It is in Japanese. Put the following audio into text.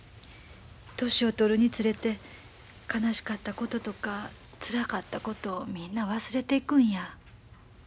年を取るにつれて悲しかったこととかつらかったことをみんな忘れていくんや。